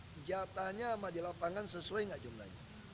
senjatanya sama di lapangan sesuai nggak jumlahnya